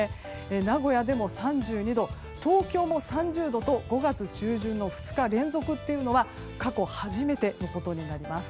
名古屋でも３２度東京も３０度と５月中旬の２日連続というのは過去初めてのことになります。